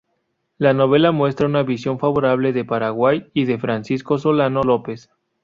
La novela muestra una visión favorable de Paraguay y de Francisco Solano López.